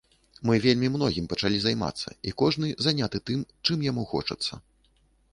Мы вельмі многім пачалі займацца, і кожны заняты тым, чым яму хочацца.